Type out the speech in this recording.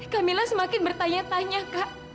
camilla semakin bertanya tanya kak